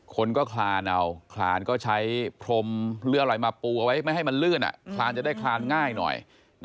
คนก็คลานเอาคลานก็ใช้พรมหรืออะไรมาปูเอาไว้ไม่ให้มันลื่นคลานจะได้คลานง่ายหน่อย